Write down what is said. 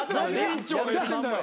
委員長が言ってんだよ。